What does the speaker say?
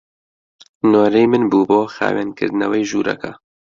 نۆرەی من بوو بۆ خاوێنکردنەوەی ژوورەکە.